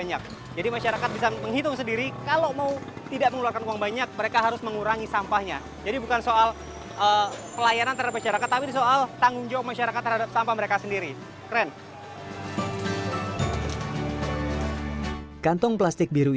ada yang putih